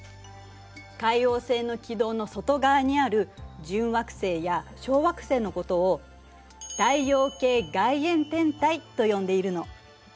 海王星の軌道の外側にある準惑星や小惑星のことをと呼んでいるの。